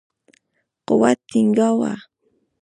قوت ټینګاوه.